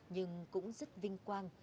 nhưng cũng rất vinh quang